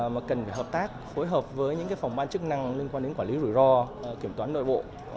mà cần phải hợp tác phối hợp với những phòng ban chức năng liên quan đến quản lý rủi ro kiểm toán nội bộ